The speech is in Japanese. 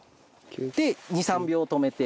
で２３秒止めて。